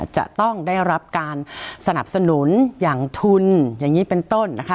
จะต้องได้รับการสนับสนุนอย่างทุนอย่างนี้เป็นต้นนะคะ